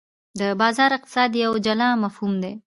د بازار اقتصاد یو جلا مفهوم دی.